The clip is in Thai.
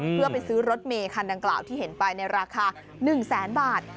เพื่อไปซื้อรถเมคันดังกล่าวที่เห็นไปในราคา๑แสนบาท